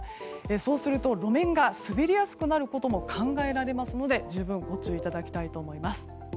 そうすると路面が滑りやすくなることも考えられますので十分ご注意いただきたいと思います。